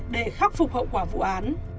để khắc phục hậu quả vụ án